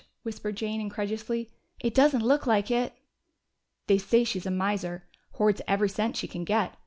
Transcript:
whispered Jane incredulously. "It doesn't look like it!" "They say she's a miser. Hoards every cent she can get."